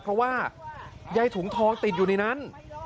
เพราะว่ายายถุงทองติดอยู่ในนั้น